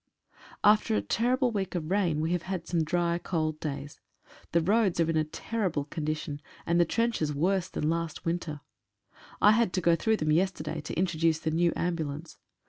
After a terrible week of rain we have had some dry, cold days. The roads are in a terrible condition, and the trenches worse than last winter. I had to go through them yesterday to introduce the new ambulance.